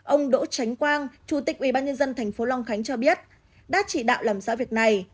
ông đỗ tránh quang chủ tịch ubnd tp long khánh cho biết đã chỉ đạo làm rõ việc này